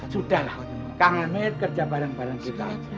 sudahlah kak hamid kerja bareng bareng kita